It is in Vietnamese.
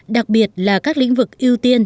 đặc biệt là các lĩnh vực ưu tiên